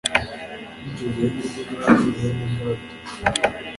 bityo bene rubeni, bene gadi